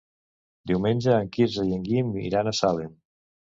Diumenge en Quirze i en Guim iran a Salem.